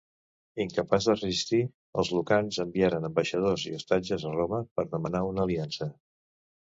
Incapaç de resistir, els lucans enviaren ambaixadors i ostatges a Roma per demanar una aliança.